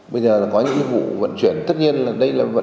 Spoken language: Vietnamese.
bây giờ là có những vụ vận chuyển tất nhiên là đây là vận chuyển